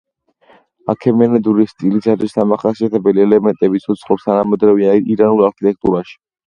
აქემენიდური სტილისათვის დამახასიათებელი ელემენტები ცოცხლობს თანამედროვე ირანულ არქიტექტურაში.